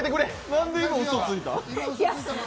なんで今、うそついた？